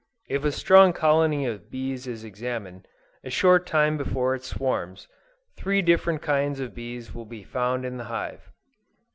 If a strong colony of bees is examined, a short time before it swarms, three different kinds of bees will be found in the hive.